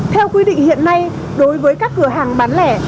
theo quy định hiện nay đối với các cửa hàng bán lẻ